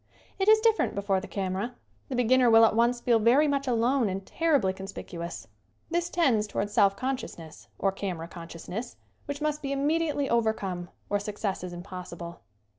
It is different before the camera. The be ginner will at once feel very much alone and terribly conspicuous. This tends toward self consciousness, or camera consciousness, which must be immediately overcome or success is impossible.